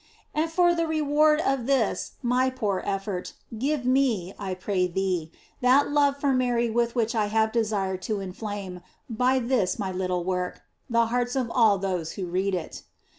And for the reward of this, my poor effort, give me, I pray thee, that love for Mary with which I have desired to in flame, by this my little work, the hearts of all those who read it.